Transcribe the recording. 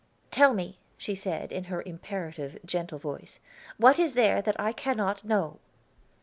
"Tell me," she said, in her imperative, gentle voice. "What is there that I cannot know?"